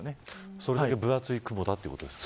それだけ部厚い雲だということですか。